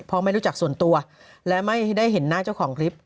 เพราะไม่รู้จักส่วนตัวและไม่ได้เห็นหน้าเจ้าของคลิป